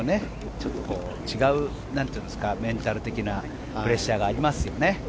ちょっと違う、メンタル的なプレッシャーがありますよね。